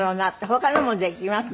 他のもできます？